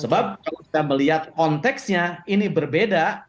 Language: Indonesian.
sebab kalau kita melihat konteksnya ini berbeda